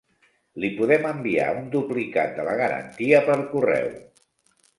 Li podem enviar un duplicat de la garantia per correu.